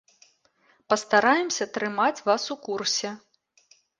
Пастараемся трымаць вас у курсе.